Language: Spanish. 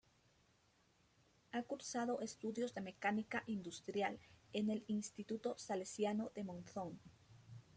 Ha cursado estudios de Mecánica Industrial en el instituto Salesiano de Monzón.